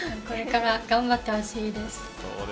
これから頑張ってほしいです。